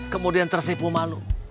kemudian tersipu malu